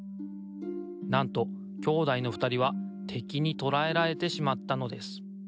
なんと兄弟のふたりはてきにとらえられてしまったのです。